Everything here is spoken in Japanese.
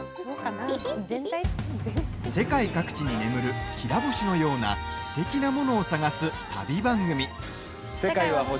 世界各地に眠るキラ星のようなステキなモノを探す旅番組。